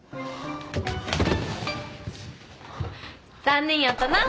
残念やったな。